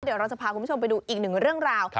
เดี๋ยวเราจะพาคุณผู้ชมไปดูอีกหนึ่งเรื่องราว